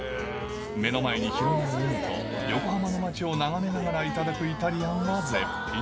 目の前に広がる海と、横浜の街を眺めながら頂くイタリアンは絶品。